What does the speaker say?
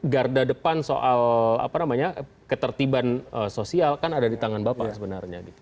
garda depan soal apa namanya ketertiban sosial kan ada di tangan bapak sebenarnya